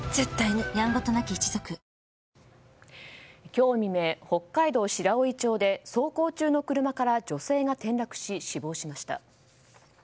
今日未明、北海道白老町で走行中の車から女性が転落し死亡しました。